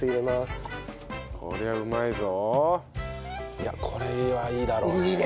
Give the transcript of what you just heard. いやこれはいいだろうね。